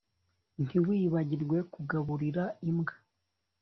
Ntiwibagirwe kugaburira imbwa